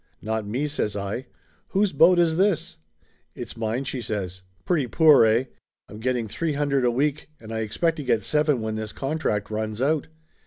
"Not me," says I. "Whose boat is this?" "It's mine," she says. "Pretty poor, eh? I'm get ting three hundred a week and I expect to get seven when this contract runs out."